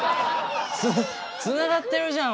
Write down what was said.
つながってるじゃん！